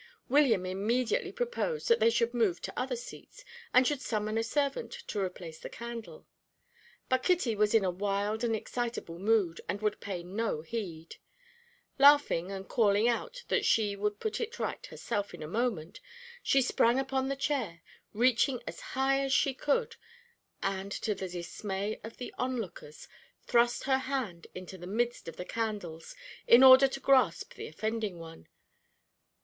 William immediately proposed that they should move to other seats, and should summon a servant to replace the candle, but Kitty was in a wild and excitable mood, and would pay no heed. Laughing and calling out that she would put it right herself in a moment, she sprang upon the chair, reaching as high as she could, and to the dismay of the onlookers, thrust her hand into the midst of the candles in order to grasp the offending one.